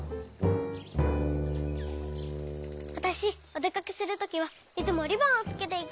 わたしおでかけするときはいつもリボンをつけていくのよ。